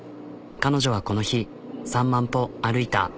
彼女はこの日３万歩歩いた。